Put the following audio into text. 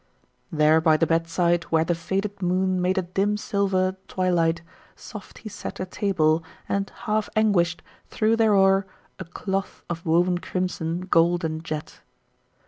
"There by the bedside, where the faded moon Made a dim silver twilight, soft he set A table, and, half anguish'd, threw thereor A cloth of woven crimson, gold, and jet.